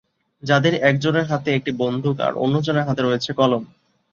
যাদের একজনের হাতে একটি বন্দুক আর অন্য জনের হাতে রয়েছে কলম।